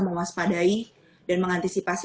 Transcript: memas padai dan mengantisipasi